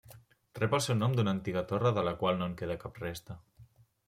Rep el seu nom d'una antiga torre de la qual no en queda cap resta.